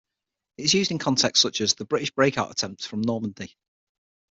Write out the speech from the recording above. It is used in contexts such as: "The British breakout attempt from Normandy".